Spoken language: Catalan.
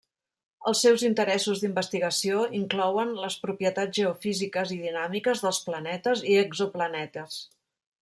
Els seus interessos d'investigació inclouen les propietats geofísiques i dinàmiques dels planetes i exoplanetes.